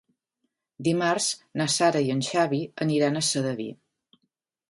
Dimarts na Sara i en Xavi aniran a Sedaví.